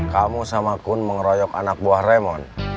kamu sama kun mengeroyok anak buah ramon